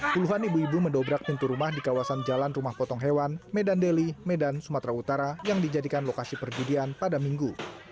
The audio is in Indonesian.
puluhan ibu ibu mendobrak pintu rumah di kawasan jalan rumah potong hewan medan deli medan sumatera utara yang dijadikan lokasi perjudian pada minggu